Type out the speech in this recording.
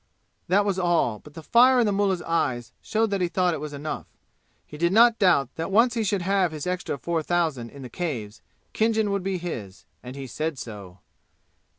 That was all, but the fire in the mullah's eyes showed that he thought it was enough. He did not doubt that once he should have his extra four thousand in the caves Khinjan would be his; and he said so.